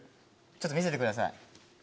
ちょっと見せてください。